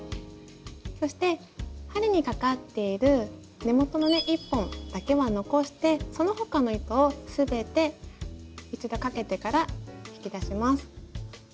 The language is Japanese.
そして針にかかっている根元のね１本だけは残してその他の糸を全て一度かけてから引き出します。